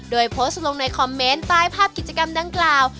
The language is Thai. โดยโพสต์ลงในคอมเมนต์ใต้ภาพกิจกรรมดังกล่าว